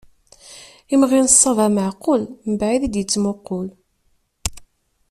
Imɣi n ṣṣaba maɛqul, mbaɛid i d-yettmuqul.